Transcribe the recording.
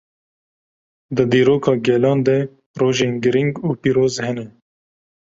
Di dîroka gelan de rojên girîng û pîroz hene.